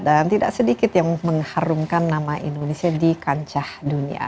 dan tidak sedikit yang mengharumkan nama indonesia di kancah dunia